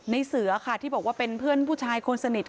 เสือค่ะที่บอกว่าเป็นเพื่อนผู้ชายคนสนิท